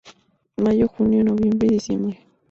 Mayo, junio, noviembre y diciembre.